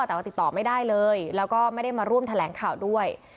แต่ว่าติดต่อไม่ได้เลยแล้วก็ไม่ได้มาร่วมแถลงข่าวด้วย